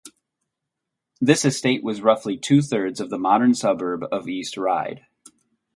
This estate was roughly two-thirds of the modern suburb of East Ryde.